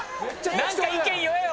何か意見言えよ。